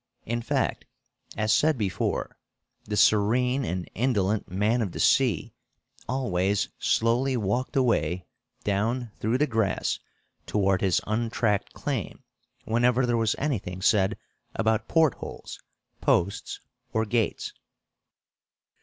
In fact, as said before, the serene and indolent man of the sea always slowly walked away down through the grass toward his untracked claim whenever there was anything said about port holes, posts or gates.